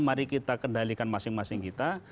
mari kita kendalikan masing masing kita